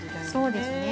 ◆そうですね。